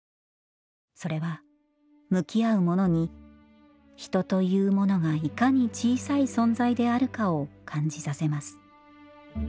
それは向き合う者に人というものがいかに小さい存在であるかを感じさせます